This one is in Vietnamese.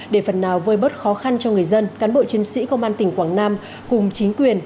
để phần nào vơi bớt khó khăn cho người dân cán bộ chiến sĩ công an tỉnh quảng nam cùng chính quyền